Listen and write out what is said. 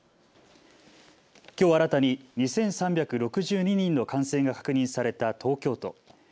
きょう新たに２３６２人の感染が確認された東京都。